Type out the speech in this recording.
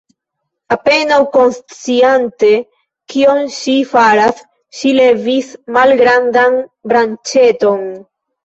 Apenaŭ konsciante kion ŝi faras, ŝi levis malgrandan branĉeton.